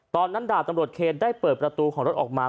ดาบตำรวจเคนได้เปิดประตูของรถออกมา